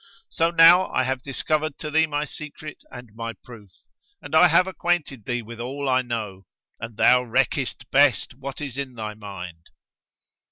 So now I have discovered to thee my secret and my proof, and I have acquainted thee with all I know; and thou reckest best what is in thy mind."